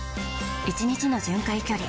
１日の巡回距離